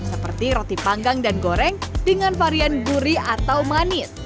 seperti roti panggang dan goreng dengan varian gurih atau manis